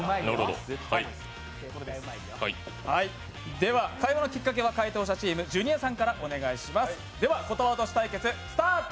では会話のきっかけは解答者チームジュニアさんからお願いします。